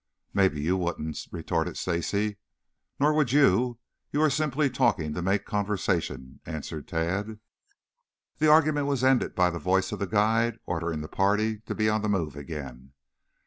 "Maybe you wouldn't," retorted Stacy. "Nor would you. You are simply talking to make conversation," answered Tad. The argument was ended by the voice of the guide ordering the party to be on the move again.